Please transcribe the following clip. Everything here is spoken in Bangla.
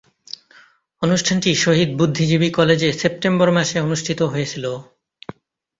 অনুষ্ঠানটি শহীদ বুদ্ধিজীবী কলেজে সেপ্টেম্বর মাসে অনুষ্ঠিত হয়েছিলো।